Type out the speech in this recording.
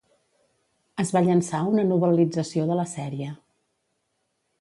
Es va llançar una novel·lització de la sèrie.